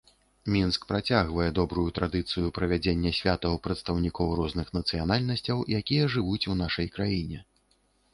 Мінск працягвае добрую традыцыю правядзення святаў прадстаўнікоў розных нацыянальнасцяў, якія жывуць у нашай краіне.